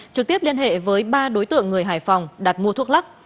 trực tiếp liên hệ với ba đối tượng người hải phòng đặt mua thuốc lắc